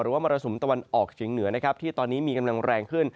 หรือว่ามรสุมตะวันออกเชียงเหนือที่ตอนนี้มีกำลังแรงขึ้น